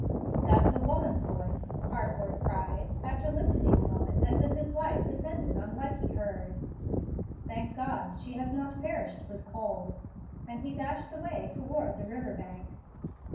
"That's a woman's voice," Harcourt cried, after listening a moment as if his life depended on what he heard. "Thank God, she has not perished with cold"; and he dashed away toward the river bank.